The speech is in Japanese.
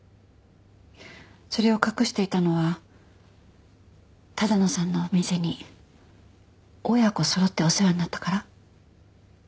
それを隠していたのは多田野さんのお店に親子そろってお世話になったから？